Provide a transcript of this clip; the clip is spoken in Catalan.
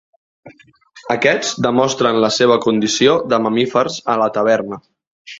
Aquests demostren la seva condició de mamífers a la taverna.